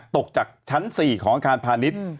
ตกจากชั้น๔ของอาคารพาณิชย์